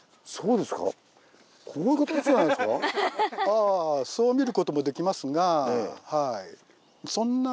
あそう見ることもできますがそう。